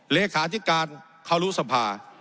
เลขาที่การเขารุสภา